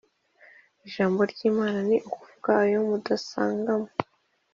ijambo ryimana ni ukuvuga ayo mudasanga mo